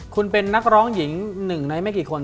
คุณเป็นนักร้องหญิงหนึ่งในไม่กี่คน